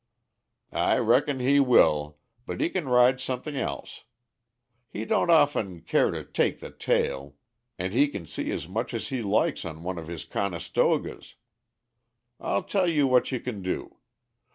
"I reckon he will, but he can ride something else. He don't often care to take the tail, and he can see as much as he likes on one of his 'conestogas.' I'll tell you what you can do.